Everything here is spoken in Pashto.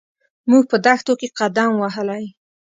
موږ په دښتو کې قدم وهلی.